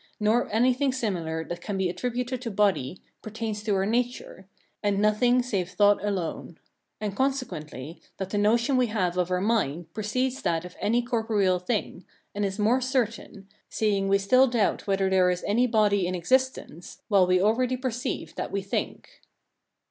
"] nor anything similar that can be attributed to body, pertains to our nature, and nothing save thought alone; and, consequently, that the notion we have of our mind precedes that of any corporeal thing, and is more certain, seeing we still doubt whether there is any body in existence, while we already perceive that we think.